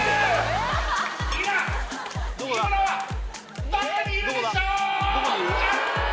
今日村はどこにいるでしょうか？